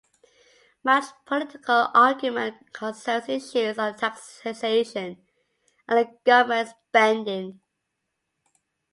Much political argument concerns issues of taxation and government spending.